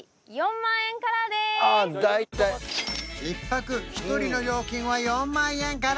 １泊１人の料金は４万円から！